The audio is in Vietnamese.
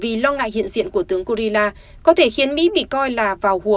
vì lo ngại hiện diện của tướng kurila có thể khiến mỹ bị coi là vào hùa